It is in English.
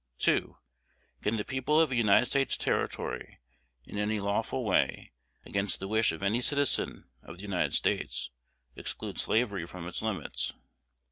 2. Can the people of a United States Territory, in any lawful way, against the wish of any citizen of the United States, exclude slavery from its limits?